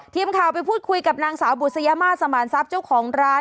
ทีมข่าวไปพูดคุยกับนางสาวบุษยมาสมานทรัพย์เจ้าของร้าน